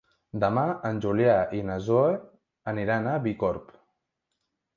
Demà en Julià i na Zoè aniran a Bicorb.